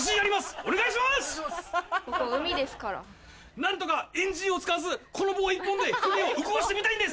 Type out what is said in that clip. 何とかエンジンを使わずこの棒１本で船を動かしてみたいんです！